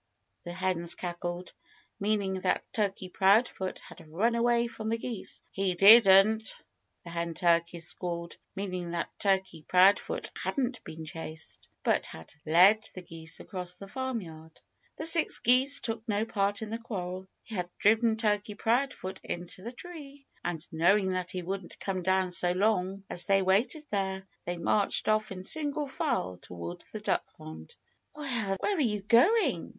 the hens cackled, meaning that Turkey Proudfoot had run away from the geese. "He didn't!" the hen turkeys squalled, meaning that Turkey Proudfoot hadn't been chased, but had led the geese across the farmyard. The six geese took no part in the quarrel. They had driven Turkey Proudfoot into the tree. And knowing that he wouldn't come down so long as they waited there, they marched off in single file toward the duck pond. "Where are you going?"